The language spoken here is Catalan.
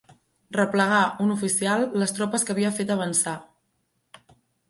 Replegar, un oficial, les tropes que havia fet avançar.